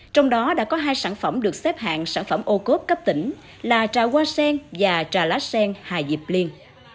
trong đó đã có hai sản phẩm được xếp hạng sản phẩm ô cốp cấp tỉnh là trà hoa sen và trà lá sen hai dịp liên